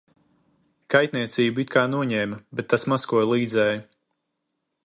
Kaitniecību it kā noņēma, bet tas maz ko līdzēja.